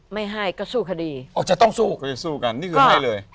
ไม่ให้ก็สู้คดีอ๋อจะต้องสู้ก็จะสู้กันนี่คือให้เลย